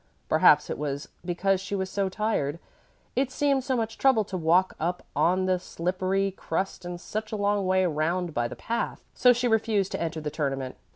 Perhaps it was because she was so tired. It seemed so much trouble to walk up on the slippery crust and such a long way round by the path. So she refused to enter the tournament.